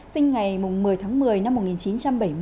sinh ngày một mươi tháng một mươi năm một nghìn chín trăm bảy mươi